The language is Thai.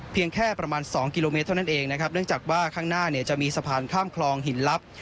แค่ประมาณสองกิโลเมตรเท่านั้นเองนะครับเนื่องจากว่าข้างหน้าเนี่ยจะมีสะพานข้ามคลองหินลับ